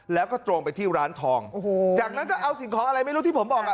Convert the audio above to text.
แล้วก็ตรงไปที่ร้านทองโอ้โหจากนั้นก็เอาสิ่งของอะไรไม่รู้ที่ผมบอกอ่ะ